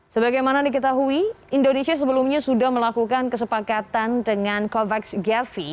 sebagaimana diketahui indonesia sebelumnya sudah melakukan kesepakatan dengan covax gavi